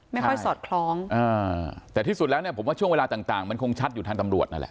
ไม่ค่อยสอดคล้องแต่ที่สุดแล้วเนี่ยผมว่าช่วงเวลาต่างมันคงชัดอยู่ทางตำรวจนั่นแหละ